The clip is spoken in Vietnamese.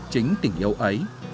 chính tình yêu ấy